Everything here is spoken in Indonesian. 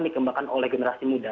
dikembangkan oleh generasi muda